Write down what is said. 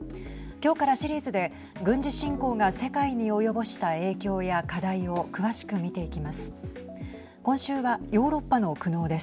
今日からシリーズで軍事侵攻が世界に及ぼした影響や課題を詳しく見ていきます。